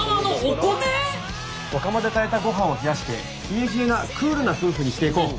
お釜で炊いたご飯を冷やして冷え冷えなクールな夫婦にしていこう！